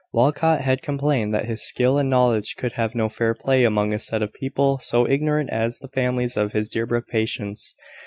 Walcot had complained that his skill and knowledge could have no fair play among a set of people so ignorant as the families of his Deerbrook patients.